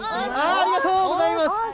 ありがとうございます。